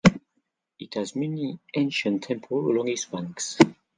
It has many ancient temples along its banks.